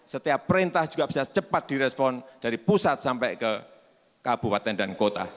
setiap perintah juga bisa cepat direspon dari pusat sampai ke kabupaten dan kota